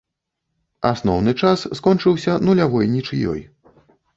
Асноўны час скончыўся нулявой нічыёй.